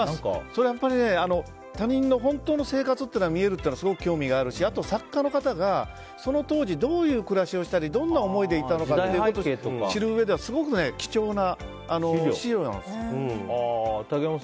それは、他人の本当の生活が見えるというのはすごく興味があるしあと、作家の方がその当時どういう暮らしをしたりどんな思いでいたのかということを知るうえですごく貴重な資料なんです。